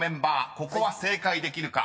ここは正解できるか］